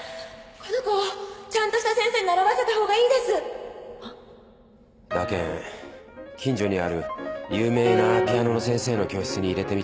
この子をちゃんとした先生に習わせたほうがいいです！だけん近所にある有名なピアノの先生の教室に入れてみた。